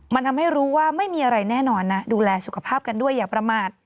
มันทำให้รู้ว่าไม่มีอะไรแน่นอนนะดูแลสุขภาพกันด้วยอย่าประมาท